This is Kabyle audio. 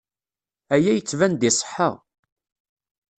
Aya yettban-d iṣeḥḥa.